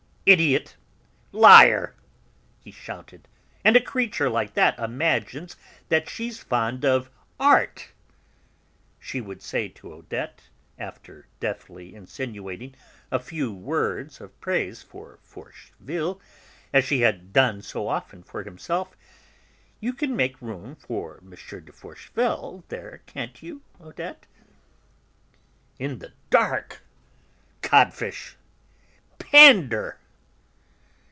"Idiot, liar!" he shouted, "and a creature like that imagines that she's fond of Art!" She would say to Odette, after deftly insinuating a few words of praise for Forcheville, as she had so often done for himself: "You can make room for M. de Forcheville there, can't you, Odette?"... '"In the dark!' Codfish! Pander!"...